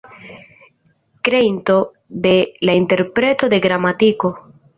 Kreinto de "La Interpreto de Gramatiko".